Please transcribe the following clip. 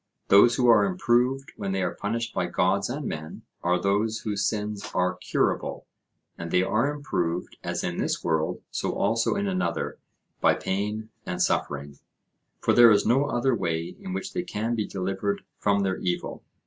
Those who are improved when they are punished by gods and men, are those whose sins are curable; and they are improved, as in this world so also in another, by pain and suffering; for there is no other way in which they can be delivered from their evil.